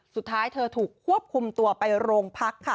สุดท้ายเธอถูกควบคุมตัวไปโรงพักค่ะ